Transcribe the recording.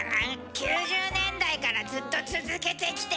９０年代からずっと続けてきて。